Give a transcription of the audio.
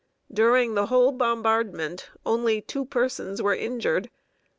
During the whole bombardment only two persons were injured.